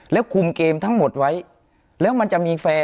แล้วคุมเกมทั้งหมดไว้แล้วมันจะมีแฟร์